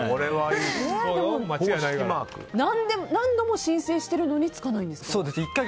何度も申請してるのにつかないんですか？